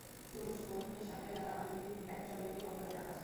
রুশোর নিজ হাতে লেখা পাণ্ডুলিপি এখনো শহরের একটি গ্রন্থাগারে রাখা আছে।